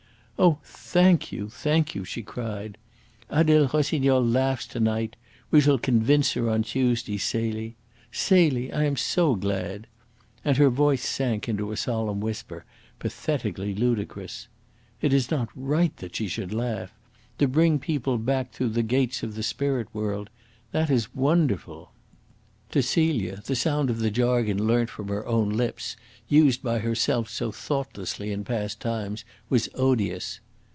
"Oh, thank you! thank you!" she cried. "Adele Rossignol laughs to night; we shall convince her on Tuesday, Celie! Celie, I am so glad!" And her voice sank into a solemn whisper, pathetically ludicrous. "It is not right that she should laugh! To bring people back through the gates of the spirit world that is wonderful." To Celia the sound of the jargon learnt from her own lips, used by herself so thoughtlessly in past times, was odious.